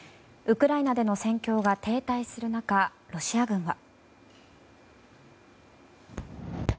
ウクライナでの戦況が停滞する中、ロシア軍は。